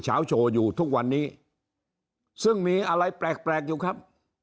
เช้าโชว์อยู่ทุกวันนี้ซึ่งมีอะไรแปลกแปลกอยู่ครับ